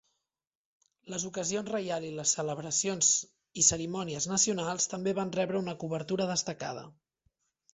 Les ocasions reials i les celebracions i cerimònies nacionals també van rebre una cobertura destacada.